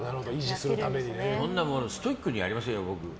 そんなストイックにはやりませんよ、僕。